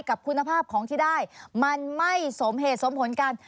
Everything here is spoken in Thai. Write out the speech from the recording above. กับคุณภาพของที่ได้มันไม่สมเหตุสมผลกัน